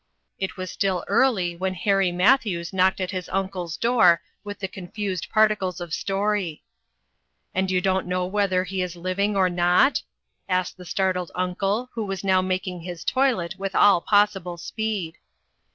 It was still early when Harry Matthews knocked at his uncle's door with the confused particles of story. " And yon don't know whether he is liv 394 INTERRUPTED. ing, or not ?" asked the startled uncle who was now making his toilet with all possible speed.